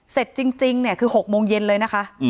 เสร็จจริงคือ๖โมงเย็นเลยนะคะ